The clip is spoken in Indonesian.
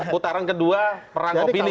putaran kedua perang opini